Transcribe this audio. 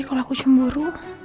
kalau aku cemburu